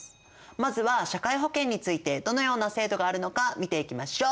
まずは社会保険についてどのような制度があるのか見ていきましょう。